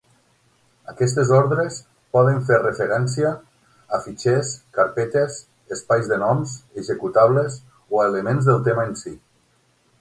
Aquestes ordres poden fer referència a fitxers, carpetes, espais de noms, executables o a elements del tema en si.